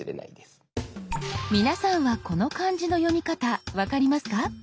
皆さんはこの漢字の読み方分かりますか？